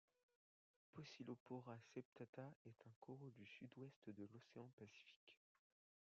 Pocillopora septata est un coraux du sud-ouest de l'océan Pacifique.